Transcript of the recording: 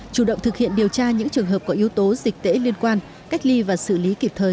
chủ động thực hiện điều tra những trường hợp có yếu tố dịch tễ liên quan cách ly và xử lý kịp thời